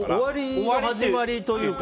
もう、終わりの始まりというか。